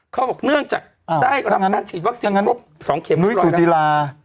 เขาบอกเนื่องจากได้กระปะกันฉีดวัสตินครบ๒เข็ม